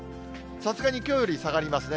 さすがにきょうより下がりますね。